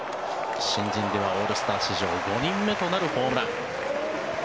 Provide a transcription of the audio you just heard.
新人ではオールスター史上５人目となるホームラン。